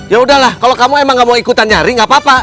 ya udahlah kalau kamu emang gak mau ikutan nyari gak apa apa